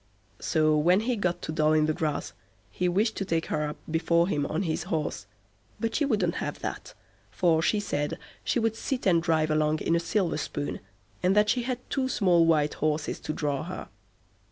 So when he got to Doll i' the Grass, he wished to take her up before him on his horse; but she wouldn't have that, for she said she would sit and drive along in a silver spoon, and that she had two small white horses to draw her.